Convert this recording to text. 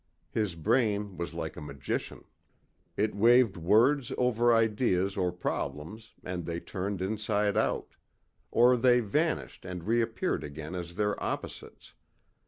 His brain was like a magician. It waved words over ideas or problems and they turned inside out. Or they vanished and reappeared again as their opposites.